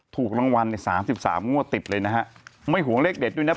ถูกรางวัลเนี่ย๓๓งวดติดเลยนะฮะไม่ห่วงเลขเด็ดด้วยนะ